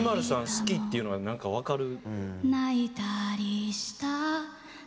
好きっていうのはなんかわかる」